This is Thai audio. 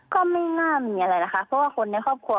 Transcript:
ก็ไม่น่ามีอะไรนะคะเพราะว่าคนในครอบครัว